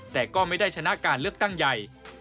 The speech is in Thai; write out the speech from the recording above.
แต่ก็ไม่ได้ชนะการเลือกตั้งใหญ่